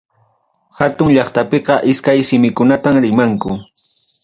Hatun llaqtapiqa iskay simikunatam rimanku.